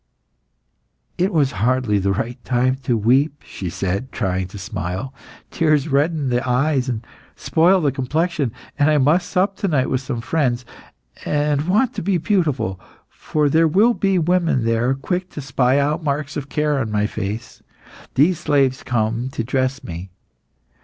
"It was hardly the right time to weep," she said, trying to smile. "Tears redden the eyes and spoil the complexion, and I must sup tonight with some friends, and want to be beautiful, for there will be women there quick to spy out marks of care on my face. These slaves come to dress me.